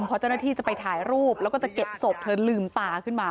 พอเจ้าหน้าที่จะไปถ่ายรูปแล้วก็จะเก็บศพเธอลืมตาขึ้นมา